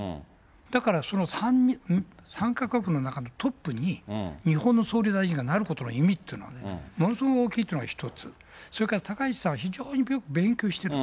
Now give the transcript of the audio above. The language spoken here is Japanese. だからその３か国の中のトップに日本の総理大臣がなることの意味っていうのはね、ものすごく大きいというのが一つ、それから高市さんは非常に勉強してる。